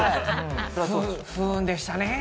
不運でしたね。